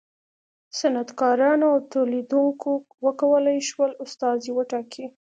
صنعتکارانو او تولیدوونکو و کولای شول استازي وټاکي.